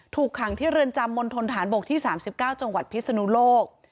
ถูกขังที่เรือนจำมณฑนฐานบกที่๓๙จังหวัดพิศนุโลก